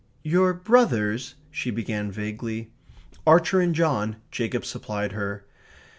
"Your brothers," she began vaguely. "Archer and John," Jacob supplied her.